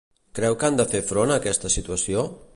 Creu que han de fer front a aquesta situació?